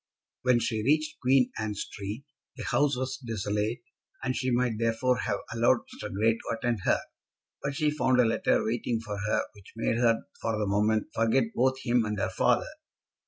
When she reached Queen Anne Street, the house was desolate, and she might therefore have allowed Mr. Grey to attend her. But she found a letter waiting for her which made her for the moment forget both him and her father.